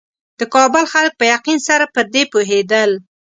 د کابل خلک په یقین سره پر دې پوهېدل.